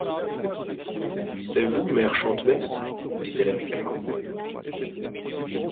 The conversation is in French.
C’est vous, mère Chantemesse? dit-elle amicalement.